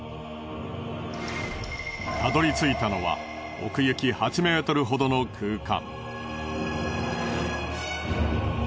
たどり着いたのは奥行き８ｍほどの空間。